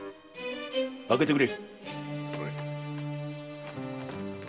開けてくれ。